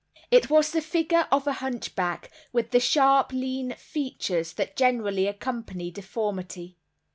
It was the figure of a hunchback, with the sharp lean features that generally accompany deformity.